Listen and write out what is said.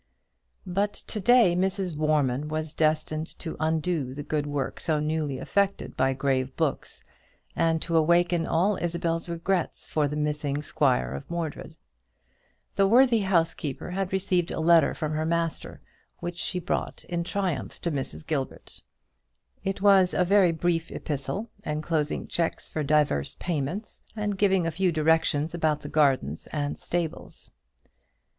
But to day Mrs. Warman was destined to undo the good work so newly effected by grave books, and to awaken all Isabel's regrets for the missing squire of Mordred. The worthy housekeeper had received a letter from her master, which she brought in triumph to Mrs. Gilbert. It was a very brief epistle, enclosing cheques for divers payments, and giving a few directions about the gardens and stables.